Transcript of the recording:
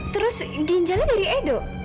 terus ginjalnya dari edo